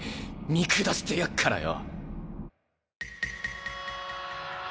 見下してやっからよ。